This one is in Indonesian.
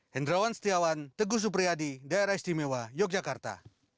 hendrawan setiawan teguh supriyadi daerah istimewa yogyakarta